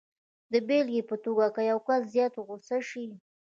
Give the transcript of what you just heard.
د بېلګې په توګه که یو کس زیات غسه شي